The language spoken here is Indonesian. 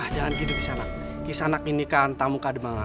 jangan gitu kisah anak kisah anak ini kan tamu ka demang